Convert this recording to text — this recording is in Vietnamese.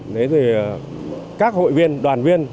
đấy thì các hội viên đoàn viên